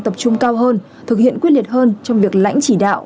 tập trung cao hơn thực hiện quyết liệt hơn trong việc lãnh chỉ đạo